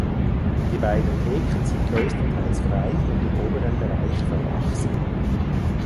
Die beiden Theken sind größtenteils frei und im oberen Bereich verwachsen.